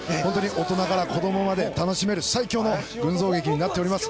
大人から子供まで楽しめる群像劇となっています。